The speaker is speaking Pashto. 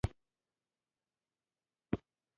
دا مرستې وروسته لارډ لارنس ورسره وکړې.